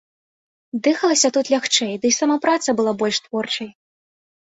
Дыхалася тут лягчэй, ды і сама праца была больш творчай.